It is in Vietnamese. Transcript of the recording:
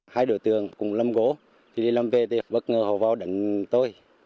hai đối tượng cùng lâm gỗ thì đi lâm về thì bất ngờ họ vào đánh tôi